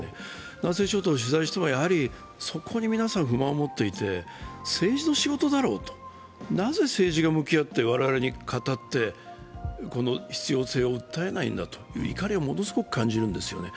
南西諸島を取材しても、そこに皆さん、不満を持っていて政治の仕事だろうと、なぜ政治が向き合って我々に語って必要性を訴えないんだという怒りをものすごく感じるんですよね。